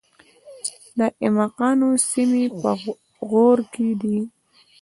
د ایماقانو سیمې په غور کې دي